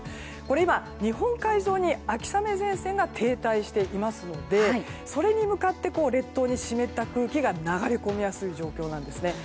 今、日本海上に秋雨前線が停滞していますのでそれに向かって、列島に湿った空気が流れ込みやすい状況なんですね。